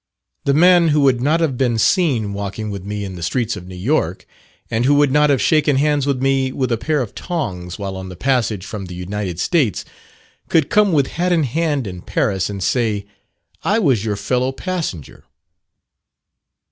The man who would not have been seen walking with me in the streets of New York, and who would not have shaken hands with me with a pair of tongs while on the passage from the United States, could come with hat in hand in Paris, and say, "I was your fellow passenger."